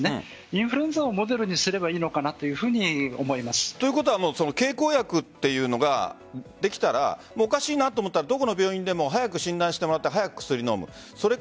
インフルエンザをモデルにすればいいのかなとということは経口薬というのができたら、おかしいなと思ったらどこの病院でも早く診断してもらって早く薬を飲む。